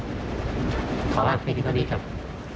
ที่อยู่ในความรักของเรามากจริง